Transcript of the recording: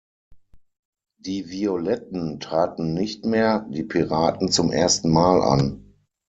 Die Violetten traten nicht mehr, die Piraten zum ersten Mal an.